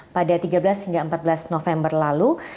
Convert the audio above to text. pada tiga belas hingga empat belas november lalu